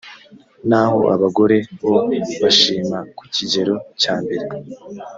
naho abagore bo bashima ku kigero cya mbere